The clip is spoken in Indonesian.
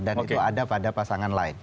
dan itu ada pada pasangan lain